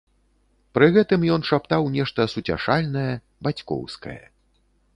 Пры гэтым ён шаптаў нешта суцяшальнае, бацькоўскае.